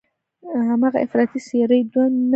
هماغه افراطي څېرې دوی نه مني.